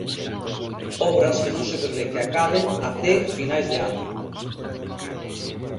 Obras que non se prevé que acaben até finais de ano.